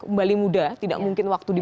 sebesar semua yang dilakukan